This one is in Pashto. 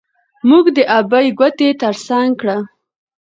موږ د ابۍ ګودى تر څنګ کړه.